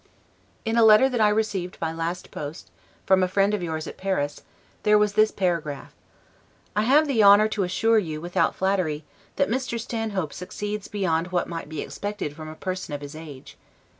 In a letter that I received by last post, from a friend of yours at Paris, there was this paragraph: "I have the honor to assure you, without flattery, that Mr. Stanhope succeeds beyond what might be expected from a person of his age.